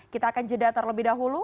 kita akan jeda terlebih dahulu